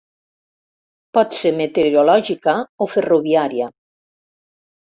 Pot ser meteorològica o ferroviària.